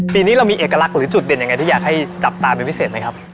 ปีนี้เรามีเอกลักษณ์หรือจุดเด่นยังไงที่อยากให้จับตาเป็นพิเศษไหมครับ